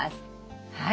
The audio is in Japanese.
はい。